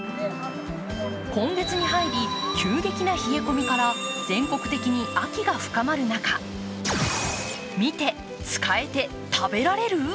今月に入り、急激な冷え込みから全国的に秋が深まる中、見て、使えて、食べられる！？